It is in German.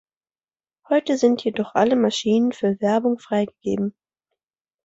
Heute sind jedoch alle Maschinen für Werbung freigegeben.